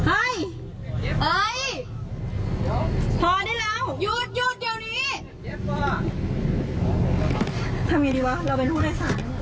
พอได้แล้วหยุดเดี๋ยวนี้